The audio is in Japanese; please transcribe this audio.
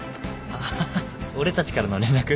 ああ俺たちからの連絡？